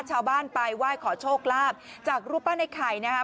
ชาวบ้านไปไหว้ขอโชคลาภจากรูปปั้นไอ้ไข่นะครับ